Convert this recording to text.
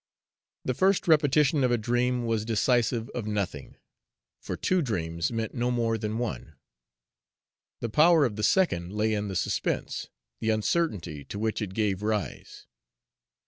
The first repetition of a dream was decisive of nothing, for two dreams meant no more than one. The power of the second lay in the suspense, the uncertainty, to which it gave rise.